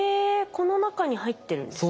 この中に入ってるんですか？